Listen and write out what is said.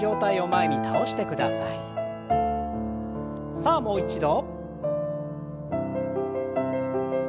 さあもう一度。